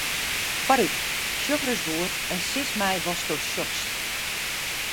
Foarút, sjoch ris goed en sis my watsto sjochst.